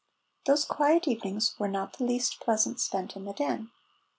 Those quiet evenings were not the least pleasant spent in the Den.